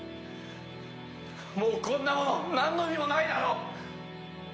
もうこんなものなんの意味もないだろ！